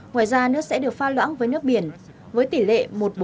ngoài ra nước sẽ được pha loãng với nước biển với tỷ lệ một bốn